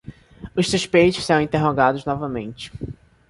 Os suspeitos serão interrogados novamente